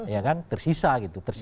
ya kan tersisa gitu